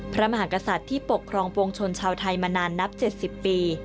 พระมหากษัตริย์ที่ปกครองปวงชนชาวไทยมานานนับ๗๐ปี